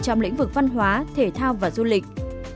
trong lĩnh vực văn hóa thể thao và du lịch